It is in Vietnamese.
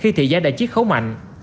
khi thị giá đã chiếc khấu mạnh